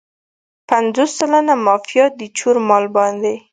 پنځوس سلنه مافیا د چور مال باندې.